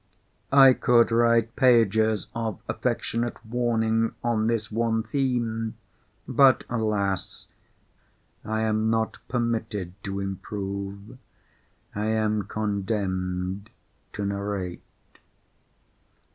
I could write pages of affectionate warning on this one theme, but (alas!) I am not permitted to improve—I am condemned to narrate.